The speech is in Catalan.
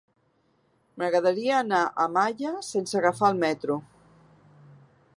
M'agradaria anar a Malla sense agafar el metro.